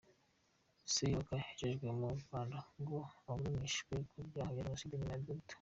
Seyoboka yoherejwe mu Rwanda ngo aburanishwe ku byaha bya Jenoside nyuma ya Dr.